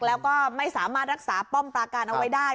แล้วก็ไม่สามารถรักษาป้อมปลาการเอาไว้ได้